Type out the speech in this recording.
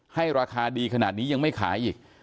ให้ราคาดีขนาดนี้ยังไม่ขายอีก